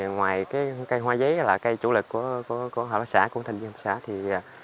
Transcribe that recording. ngoài cây hoa giấy là cây chủ lực của hộ lãnh xã thành viên hộ lãnh xã